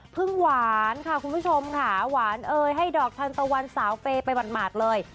หวานค่ะคุณผู้ชมค่ะหวานเอ่ยให้ดอกทันตะวันสาวเปย์ไปหมาดเลย